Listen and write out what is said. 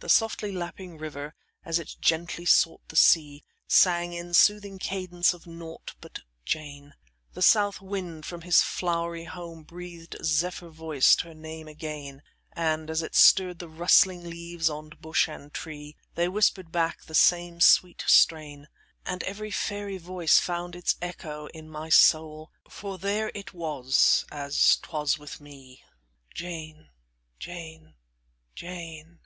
The softly lapping river, as it gently sought the sea, sang in soothing cadence of naught but Jane; the south wind from his flowery home breathed zephyr voiced her name again, and, as it stirred the rustling leaves on bush and tree, they whispered back the same sweet strain; and every fairy voice found its echo in my soul; for there it was as 'twas with me, "Jane! Jane! Jane!"